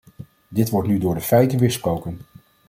Dit wordt nu door de feiten weersproken.